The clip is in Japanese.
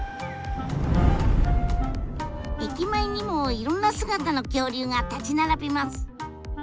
駅前にもいろんな姿の恐竜が立ち並びます。